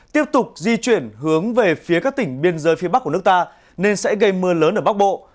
tiếp tục di chuyển hướng về phía các tỉnh biên giới phía bắc của nước ta nên sẽ gây mưa lớn ở bắc bộ